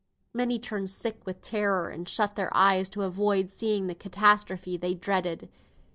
Many turned sick with terror, and shut their eyes to avoid seeing the catastrophe they dreaded.